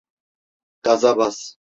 Gaza bas!